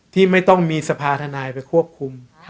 ที่ไม่ต้องมีสภาธนายไปควบคุม